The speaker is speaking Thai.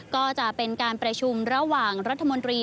ก็จะเป็นการประชุมระหว่างรัฐมนตรี